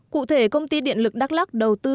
cụ thể công ty điện lực đắk lắc đầu tư